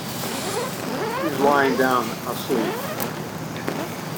She's lying down, asleep.